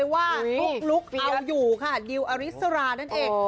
ว่าลุกเอาอยู่ค่ะดิวอริสระนั่นเอง